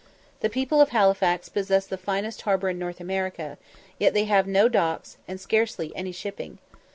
The people of Halifax possess the finest harbour in North America, yet they have no docks, and scarcely any shipping.